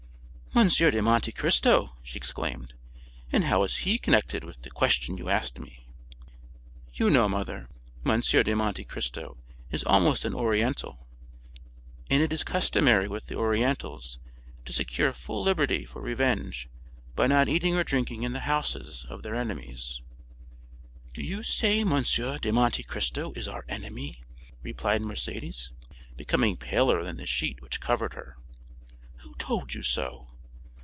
"M. de Monte Cristo!" she exclaimed; "and how is he connected with the question you asked me?" 40219m "You know, mother, M. de Monte Cristo is almost an Oriental, and it is customary with the Orientals to secure full liberty for revenge by not eating or drinking in the houses of their enemies." "Do you say M. de Monte Cristo is our enemy?" replied Mercédès, becoming paler than the sheet which covered her. "Who told you so?